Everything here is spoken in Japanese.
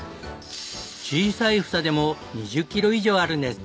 小さい房でも２０キロ以上あるんです。